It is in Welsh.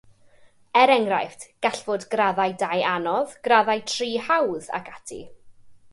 Er enghraifft, gall fod graddau dau anodd, graddau tri hawdd, ac ati.